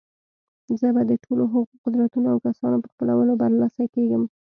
زه به د ټولو هغو قدرتونو او کسانو په خپلولو برلاسي کېږم.